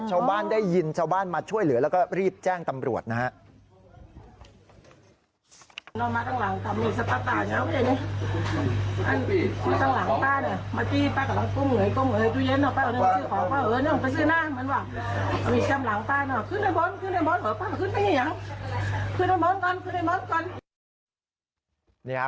ข้าวบ้านได้ยินข้าวบ้านมาช่วยเหลือและรีบแจ้งตำรวจนะครับ